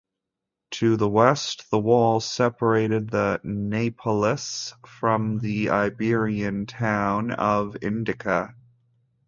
To the west the wall separated the "Neapolis" from the Iberian town of Indika.